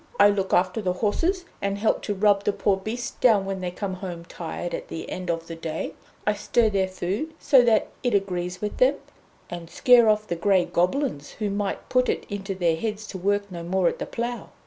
I look after the horses, and help to rub the poor beasts down when they come home tired at the end of the day; I stir their food so that it agrees with them, and scare off the grey goblins who might put it into their heads to work no more at the plough.